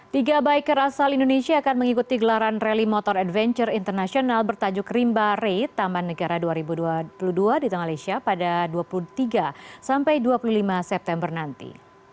tiga biker asal indonesia akan mengikuti gelaran rally motor adventure internasional bertajuk rimba ray taman negara dua ribu dua puluh dua di tengah lesha pada dua puluh tiga sampai dua puluh lima september nanti